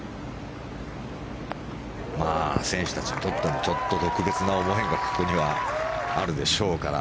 選手たちにとってもちょっと特別な思いがここにはあるでしょうから。